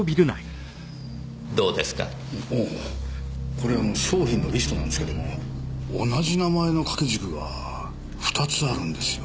これ商品のリストなんですけども同じ名前の掛け軸が２つあるんですよ。